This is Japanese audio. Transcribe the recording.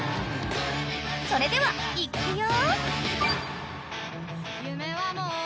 ［それではいっくよ］